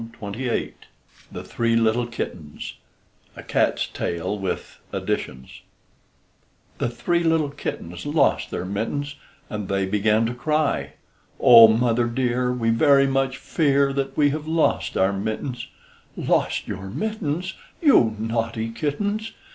JANE TAYLOR THE THREE LITTLE KITTENS (A CAT'S TALE, WITH ADDITIONS) Three little kittens lost their mittens; And they began to cry, O mother dear, We very much fear That we have lost our mittens. Lost your mittens! You naughty kittens!